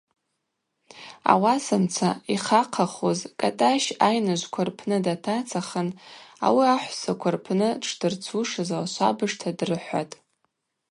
Ауасамца йхахъахуз Кӏатӏащ айныжвква рпны датацахын ауи ахӏвссаква рпны дшдырцушызла швабыжта дрыхӏватӏ.